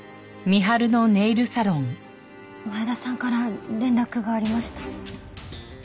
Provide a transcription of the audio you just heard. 前田さんから連絡がありました。